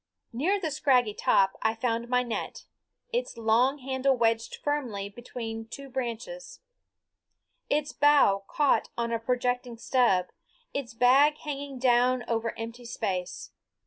Near the scraggy top I found my net, its long handle wedged firmly in between two branches, its bow caught on a projecting stub, its bag hanging down over empty space.